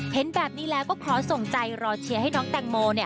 เห็นแบบนี้แล้วก็ขอส่งใจรอเชียร์ให้น้องแตงโม